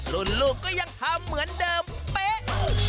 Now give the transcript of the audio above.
ลูกก็ยังทำเหมือนเดิมเป๊ะ